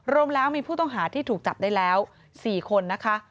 รวมแล้วมีผู้ต้องหาที่ถูกจับได้แล้ว๔คนนะคะ